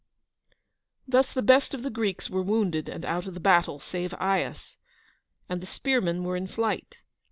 Thus the best of the Greeks were wounded and out of the battle, save Aias, and the spearmen were in flight.